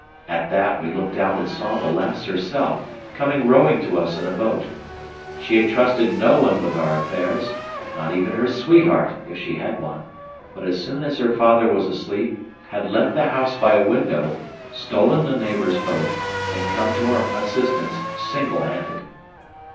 At that, we looked out and saw the lass herself coming rowing to us in a boat. She had trusted no one with our affairs, not even her sweetheart, if she had one; but as soon as her father was asleep, had left the house by a window, stolen a neighbour's boat, and come to our assistance single handed.